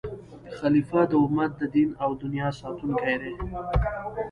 خلیفه د امت د دین او دنیا ساتونکی دی.